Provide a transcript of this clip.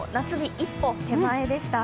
一歩手前でした。